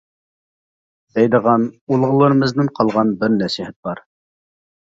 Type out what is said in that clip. دەيدىغان، ئۇلۇغلىرىمىزدىن قالغان بىر نەسىھەت بار.